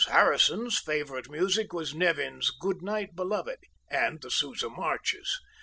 Harrison's favorite music was Nevin's "Good Night, Beloved" and the Sousa marches.